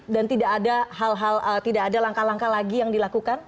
dan tidak ada langkah langkah lagi yang dilakukan